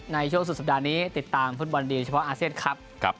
ในช่วงสุดสัปดาห์นี้ติดตามฟุตบอลดีลเฉพาะอาเซียนครับ